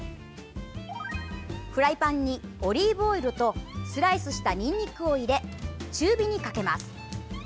フライパンにオリーブオイルとスライスしたにんにくを入れ中火にかけます。